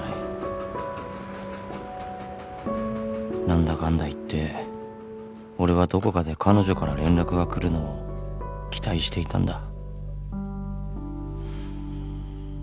なんだかんだ言って俺はどこかで彼女から連絡が来るのを期待していたんだ